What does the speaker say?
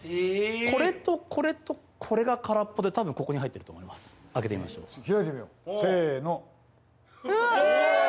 これとこれとこれが空っぽでたぶんここに入ってると思います開けてみましょう開いてみようせーのうわあ！